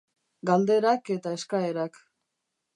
Galderak eta eskaerak.